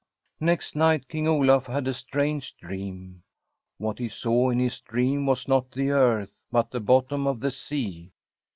Next night King Olaf had a strange dream. What he saw in his dream was not the earth, but the bottom of the sea.